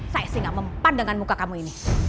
saya sih gak mempan dengan muka kamu ini